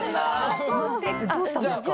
どうしたんですか？